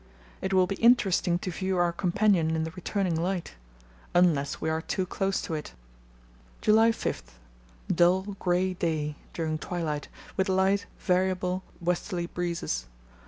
It will be interesting to view our companion in the returning light—unless we are too close to it! "July 5.—Dull grey day (during twilight) with light, variable, westerly breezes.